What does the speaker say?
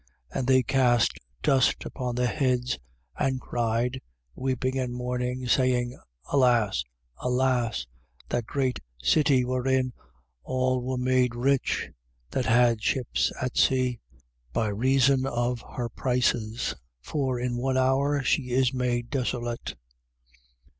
18:19. And they cast dust upon their heads and cried, weeping and mourning, saying: Alas! alas! that great city, wherein all were made rich, that had ships at sea, by reason of her prices. For, in one hour she is made desolate.